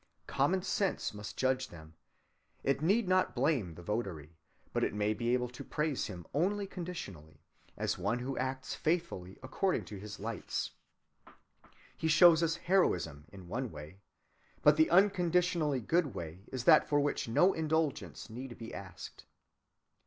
Common sense must judge them. It need not blame the votary; but it may be able to praise him only conditionally, as one who acts faithfully according to his lights. He shows us heroism in one way, but the unconditionally good way is that for which no indulgence need be asked.